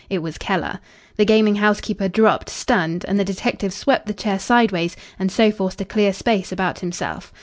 It was Keller. The gaming house keeper dropped, stunned, and the detective swept the chair sideways and so forced a clear space about himself.